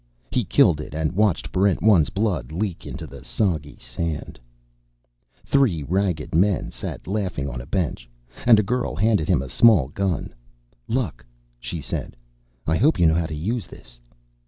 He killed it, and watched Barrent 1's blood leak into the soggy sand.... Three ragged men sat laughing on a bench, and a girl handed him a small gun. "Luck," she said. "I hope you know how to use this."